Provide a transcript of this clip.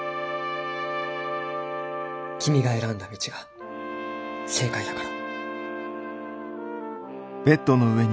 君が選んだ道が正解だから。